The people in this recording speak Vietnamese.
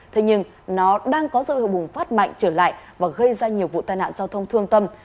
thế nhưng nó đang có dấu hiệu bùng phát mạnh trở lại và gây ra nhiều vụ tai nạn giao thông thương tâm